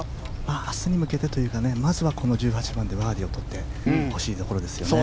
明日に向けてというかまずはこの１８番でバーディーを取ってほしいところですよね。